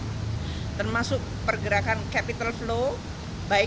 kepala pemerintah kita akan mencari keuntungan untuk mencapai keuntungan yang lebih baik